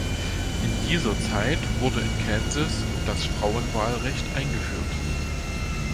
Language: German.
In dieser Zeit wurde in Kansas das Frauenwahlrecht eingeführt.